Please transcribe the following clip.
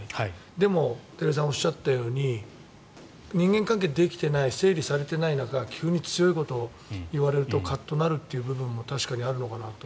でも、照井さんがおっしゃったように人間関係ができてない整理されていない中急に強いことを言われるとカッとなるという部分も確かにあるのかなと。